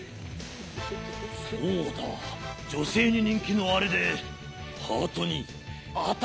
そうだじょせいににんきのあれでハートにアタックだ！